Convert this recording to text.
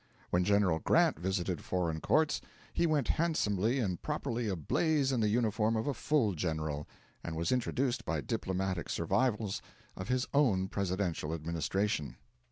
When General Grant visited foreign courts, he went handsomely and properly ablaze in the uniform of a full general, and was introduced by diplomatic survivals of his own Presidential Administration.